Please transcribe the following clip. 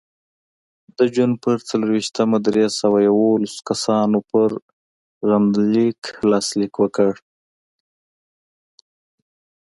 د جون په څلرویشتمه درې سوه یوولس کسانو پر غندنلیک لاسلیک وکړ.